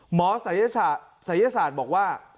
หมอศัยยศาสตร์บอกว่า